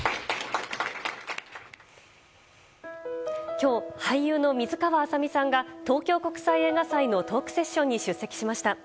今日、俳優の水川あさみさんが東京国際映画祭のトークセッションに出席しました。